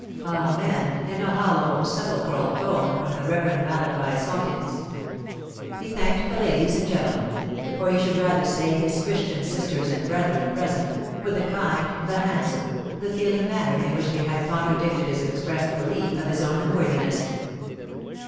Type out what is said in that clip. ("Amen!" in a hollow, sepulchral tone from the Rev. Malachi Sawkins.) He thanked the ladies and gentlemen—or he should rather say his Christian sisters and brethren present, for the kind—the handsome—the feeling manner in which they had contradicted his expressed belief of his own unworthiness.